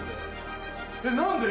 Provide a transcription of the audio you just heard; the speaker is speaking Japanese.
えっ何で？